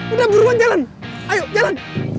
udah buruan jalan ayo jalan